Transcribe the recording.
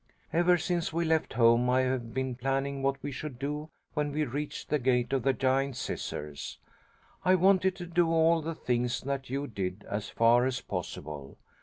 "Ever since we left home I have been planning what we should do when we reached the Gate of the Giant Scissors. I wanted to do all the things that you did, as far as possible.